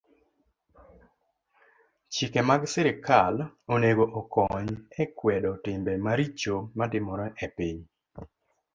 Chike mag sirkal onego okony e kwedo timbe maricho matimore e piny.